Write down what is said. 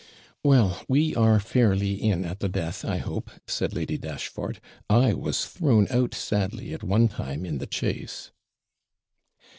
'Well, we are fairly in at the death, I hope,' said Lady Dashfort; 'I was thrown out sadly at one time in the chace.'